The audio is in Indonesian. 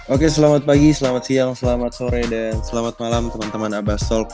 oke selamat pagi selamat siang selamat sore dan selamat malam teman teman abah stok